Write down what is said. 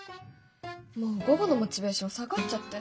もう午後のモチベーション下がっちゃって。